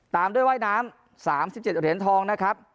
ตามด้วยว่ายน้ำ๓๗เหรียญทองนะครับ